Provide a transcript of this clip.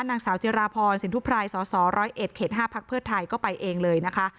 นางสาวจิราพรสินทุพรายสศ๑๐๑๕ภไทยก็ไปเองเลยนะคะ